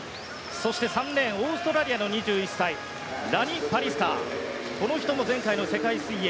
そして３レーンオーストラリアの２１歳ラニ・パリスター、この人も前回の世界水泳